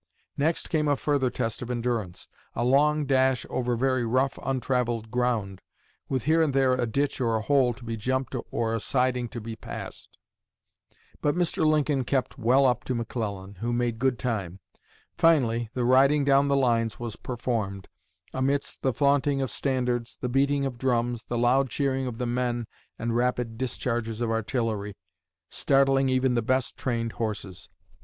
Next came a further test of endurance a long dash over very rough untraveled ground, with here and there a ditch or a hole to be jumped or a siding to be passed. But Mr. Lincoln kept well up to McClellan, who made good time. Finally, the 'riding down the lines' was performed, amidst the flaunting of standards, the beating of drums, the loud cheering of the men and rapid discharges of artillery, startling even the best trained horses.